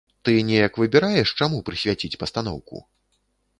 Ты неяк выбіраеш, чаму прысвяціць пастаноўку?